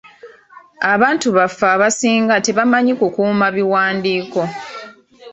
Abantu baffe abasinga tebamanyi kukuuma biwandiiko.